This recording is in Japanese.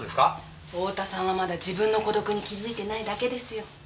太田さんはまだ自分の孤独に気づいてないだけですよ。